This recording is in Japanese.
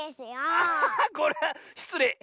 あっこれはしつれい！